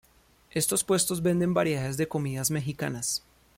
Estos puestos venden variedades de comidas mexicanas.